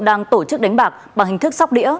đang tổ chức đánh bạc bằng hình thức sóc đĩa